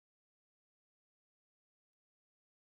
Donald Trump wa Disemba mwaka elfu mbili na ishirini